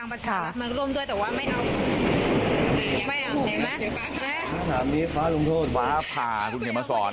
ภาพภาคุณเห็นมาสอน